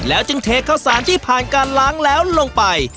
จึงเทข้าวสารที่ผ่านการล้างแล้วลงไป